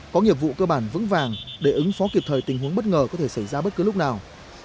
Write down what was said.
có nghiệp vụ cơ bản vững vàng để ứng phó kịp thời tình huống bất ngờ có thể xảy ra bất cứ lúc nào